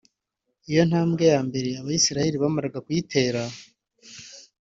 Iyo ntambwe ya mbere Abayisiraheri bamaraga kuyitera